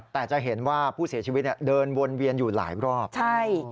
แต่จะเห็นว่าผู้เสียชีวิตเนี่ยเดินวนเวียนอยู่หลายรอบใช่